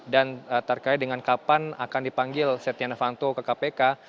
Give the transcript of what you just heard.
dan terkait dengan kapan akan dipanggil setia nefanto ke kpk